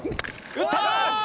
打った！